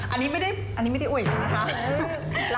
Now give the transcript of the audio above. อันนี้ไม่ได้อันนี้ไม่ได้เอ่ยนะครับ